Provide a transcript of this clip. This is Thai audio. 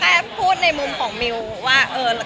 ก็เลยเอาข้าวเหนียวมะม่วงมาปากเทียน